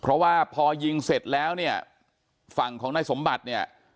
เพราะว่าพอยิงเสร็จแล้วเนี่ยฝั่งของนายสมบัติเนี่ย